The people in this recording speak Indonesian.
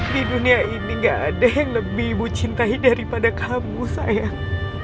di dunia ini gak ada yang lebih ibu cintai daripada kamu sayang